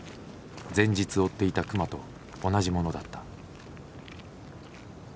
前日追っていた熊と同じものだった。